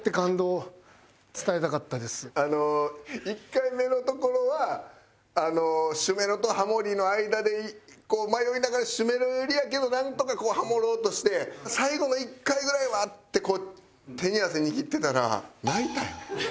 １回目のところは主メロとハモりの間で迷いながら主メロ寄りやけどなんとかハモろうとして最後の１回ぐらいはって手に汗握ってたら。